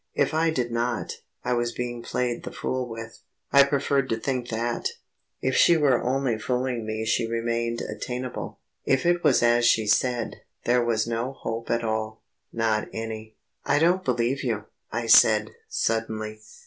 If I did not, I was being played the fool with. I preferred to think that. If she were only fooling me she remained attainable. If it was as she said, there was no hope at all not any. "I don't believe you," I said, suddenly.